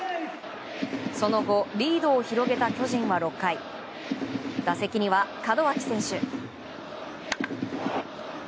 その後、リードを広げた巨人は６回、打席には門脇選手。